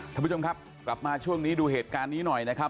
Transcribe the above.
ท่านผู้ชมครับกลับมาช่วงนี้ดูเหตุการณ์นี้หน่อยนะครับ